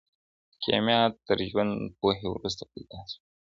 کيميا تر ژوندپوهنې وروسته پيدا سوه.